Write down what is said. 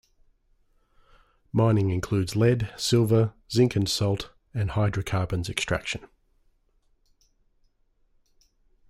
Mining includes lead, silver, zinc and salt, and hydrocarbons extraction.